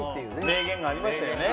名言がありましたよね。